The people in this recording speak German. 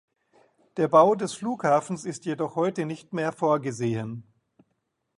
Der Bau des Flughafens ist jedoch heute nicht mehr vorgesehen.